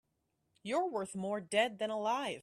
You're worth more dead than alive.